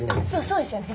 そうですよね。